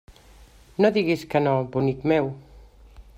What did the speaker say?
No digues que no, bonic meu.